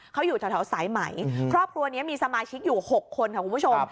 เขาอยู่แถวสายไหมครอบครัวนี้มีสมาชิกอยู่๖คนค่ะคุณผู้ชม